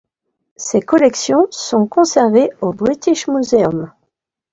Ses collections sont conservées au British Museum.